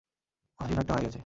হাসি-ঠাট্টা হয়ে গেছে?